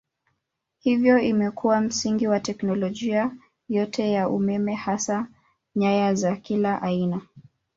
Hivyo imekuwa msingi wa teknolojia yote ya umeme hasa nyaya za kila aina.